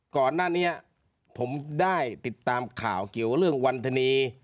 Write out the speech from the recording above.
ก่อนหน้านี้ผมได้ติดตามข่าวเกี่ยวเรื่องวันธนี